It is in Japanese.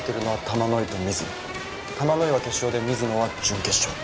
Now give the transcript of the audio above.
玉乃井は決勝で水野は準決勝。